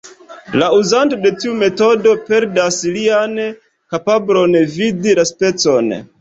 La uzanto de tiu metodo perdas lian kapablon vidi la spacon.